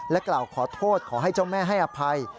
กล่าวขอโทษขอให้เจ้าแม่ให้อภัย